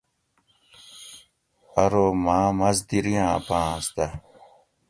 ارو مں مزدیری آۤں پانس دہ